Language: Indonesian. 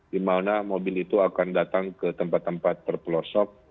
dimana mobil itu akan datang ke tempat tempat terpelosok